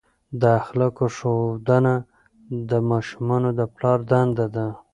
د اخلاقو ښودنه د ماشومانو د پلار دنده ده.